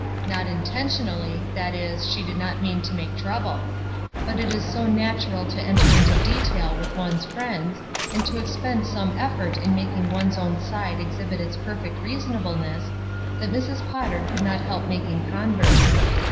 Not intentionally, that is, she did not mean to make trouble ; but it is so natural to enter into detail with one's friends, and to expend some effort in making one's own side exhibit its perfect reasonable ness, that Mrs. Potter could not help making converts.